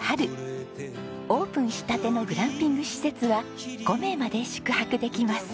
オープンしたてのグランピング施設は５名まで宿泊できます。